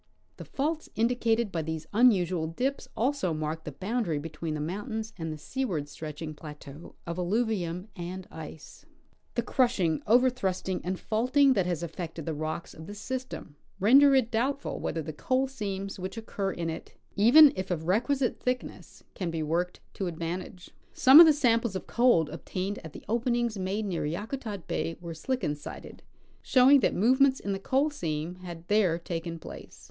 The faults indicated by these unusual dips also mark the boundary between the mountains and the seaward stretching plateau of alluvium and ice. The crushing, overthrusting and faulting that has affected the rocks of this system render it doubtful whether the coal seams which occur in it, even if of requisite thickness, can be worked to advantage. Some of the samples of coal obtained at the open ings made near Yakutat bay were slickensided, showing that moyements in the coal seam had there taken place.